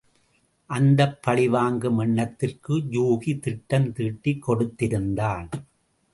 அந்தப் பழிவாங்கும் எண்ணத்திற்கு யூகி திட்டம் தீட்டிக் கொடுத்திருந்தான்.